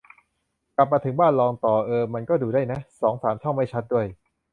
กลับมาถึงบ้าน ลองต่อ เออ มันก็ดูได้นะ สองสามช่อง ไม่ชัดด้วย